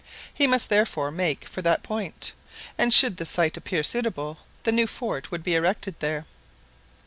He must therefore make for that point, and should the site appear suitable the new fort would be erected there.